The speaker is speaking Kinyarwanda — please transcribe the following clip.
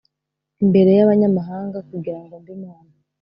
imbere y abanyamahanga kugira ngo mbe imana